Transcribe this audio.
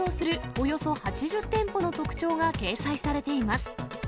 およそ８０店舗の特徴が掲載されています。